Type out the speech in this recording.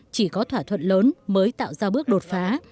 chỉ có thỏa thuận lớn mới tạo ra bước đột phá